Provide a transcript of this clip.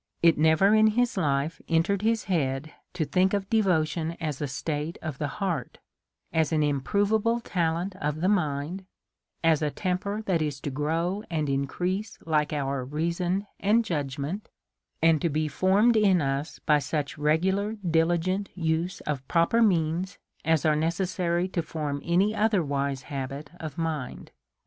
It never in his life enter ed into his head to think of devotion as a state of the heart, as an improveable talent of the mind, as a tem per that is to grow and increase like our reason and judgment, and to be formed in us by such a regular diligent use of proper means, as are necessary to form any other wise habit of mind.